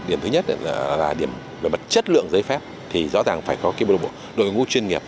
điểm thứ nhất là về mặt chất lượng giấy phép thì rõ ràng phải có cái bộ đội ngũ chuyên nghiệp